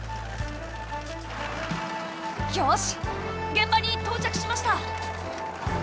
現場に到着しました！